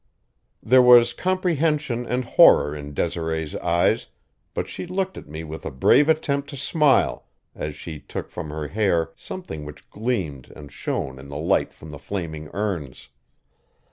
There was comprehension and horror in Desiree's eyes, but she looked at me with a brave attempt to smile as she took from her hair something which gleamed and shone in the light from the flaming urns.